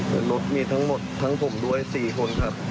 แต่รถมีทั้งหมดทั้งผมด้วย๔คนครับ